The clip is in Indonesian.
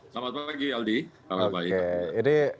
selamat pagi aldi